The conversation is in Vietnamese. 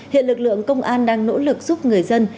hiện lực lượng công an đang nỗ lực giúp người dân